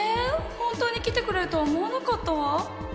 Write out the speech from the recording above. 本当に来てくれるとは思わなかったわ。